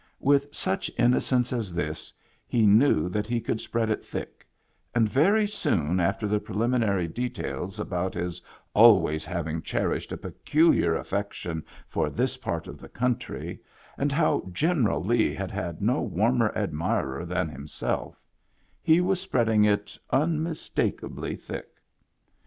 With such innocence as this, he knew that he could spread it thick ; and very soon after the prelimi nary details about his always having cherished a peculiar affection for this part of the country, and how General Lee had had no warmer admirer than himself, he was spreading it unmistakably thick.